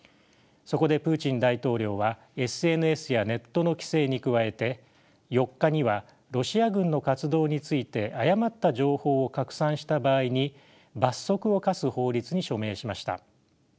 そこでプーチン大統領はＳＮＳやネットの規制に加えて４日にはロシア軍の活動について誤った情報を拡散した場合に罰則を科す法律に署名しました。